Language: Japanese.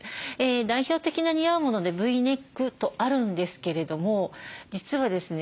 代表的な似合うものでＶネックとあるんですけれども実はですね